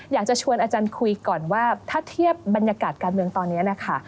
อยากจะชวนอาจารย์คุยก่อนว่าถ้าเทียบบรรยากาศการเมืองตอนนี้นะคะ